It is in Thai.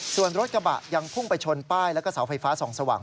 ส่วนรถกระบะยังพุ่งไปชนป้ายแล้วก็เสาไฟฟ้าส่องสว่าง